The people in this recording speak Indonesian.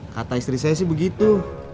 kata istri saya sih begitu